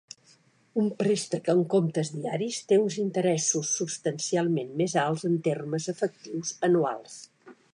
Un préstec amb comptes diaris té uns interessos substancialment més alts en termes efectius anuals.